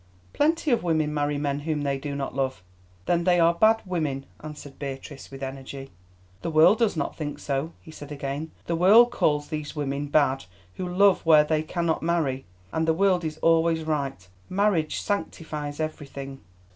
"Plenty of women marry men whom they do not love." "Then they are bad women," answered Beatrice with energy. "The world does not think so," he said again; "the world calls those women bad who love where they cannot marry, and the world is always right. Marriage sanctifies everything."